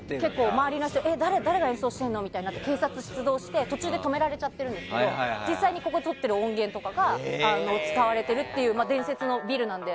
周りも誰が演奏してるのって警察が出動して途中で止められちゃってるんですけど実際にここでとってる音源とかが使われているっていう伝説のビルなので。